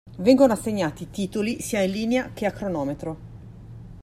Vengono assegnati titoli sia in linea che a cronometro.